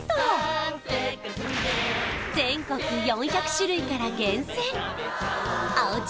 全国４００種類から厳選おうち